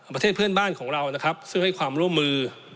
ประเทศเพื่อนบ้านของเรานะครับซึ่งให้ความร่วมมือ